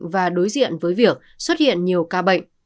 và đối diện với việc xuất hiện nhiều ca bệnh